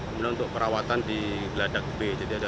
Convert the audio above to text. kemudian untuk perawatan di geladak b